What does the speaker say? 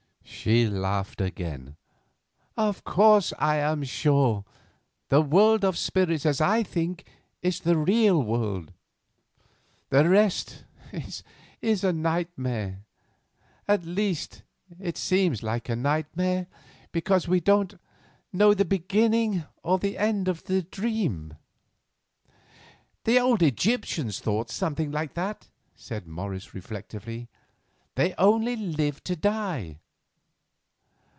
She laughed again. "Of course I am sure. The world of spirits, as I think, is the real world. The rest is a nightmare; at least, it seems like a nightmare, because we don't know the beginning or the end of the dream." "The old Egyptians thought something like that," said Morris reflectively. "They only lived to die."